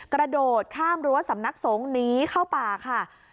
กระโดดข้ามรั้วสำนักสงฆ์หนีเข้าป่าค่ะ